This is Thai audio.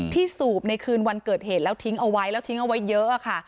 ที่สูบในคืนวันเกิดเหตุแล้วทิ้งเอาไว้เยอะค่ะ